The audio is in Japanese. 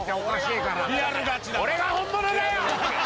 俺が本物だよ！